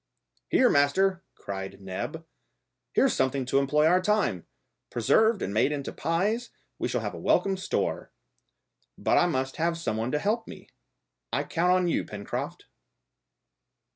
"Here, master," cried Neb; "here's something to employ our time! Preserved and made into pies we shall have a welcome store! But I must have some one to help me. I count on you, Pencroft."